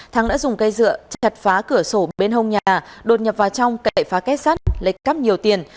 thắng đã dùng cây dựa chặt phá cửa sổ bên hông nhà đột nhập vào trong cậy phá kết sắt lấy cắp nhiều tiền